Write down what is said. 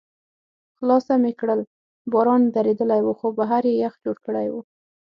خلاصه مې کړل، باران درېدلی و، خو بهر یې یخ جوړ کړی و.